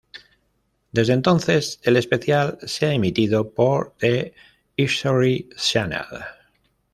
Desde entonces, el especial se ha emitido por The History Channel.